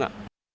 theo quy định